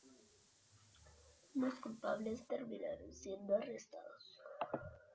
Los culpables terminaron siendo arrestados.